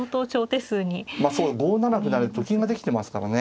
まあそう５七歩成でと金ができてますからね